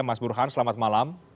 mas burhan selamat malam